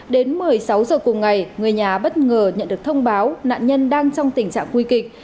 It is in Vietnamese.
đến một mươi sáu giờ cùng ngày người nhà bất ngờ nhận được thông báo nạn nhân đang trong tình trạng nguy kịch